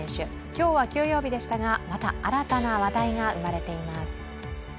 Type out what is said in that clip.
今日は休養日でしたがまた新たな話題が生まれています。